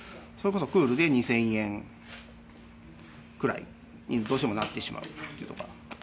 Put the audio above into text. それこそクールで２０００円くらいにどうしてもなってしまうっていうのが。